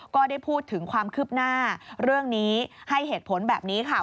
ก็ได้พูดถึงความคืบหน้าเรื่องนี้ให้เหตุผลแบบนี้ค่ะ